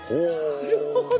なるほど。